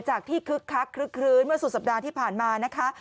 จากที่คลึกเมื่อสุดสัปดาห์ที่ผ่านมานะคะ